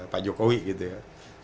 pak jokowi gitu ya